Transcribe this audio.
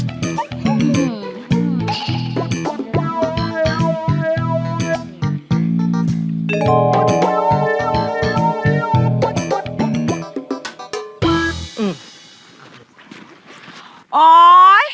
แล้วเยอะเลย